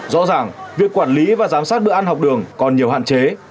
rõ ràng việc quản lý và giám sát bữa ăn học đường còn nhiều hạn chế